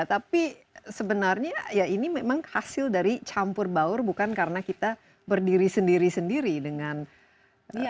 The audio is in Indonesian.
tapi sebenarnya ya ini memang hasil dari campur baur bukan karena kita berdiri sendiri sendiri dengan ya